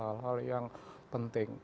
hal hal yang penting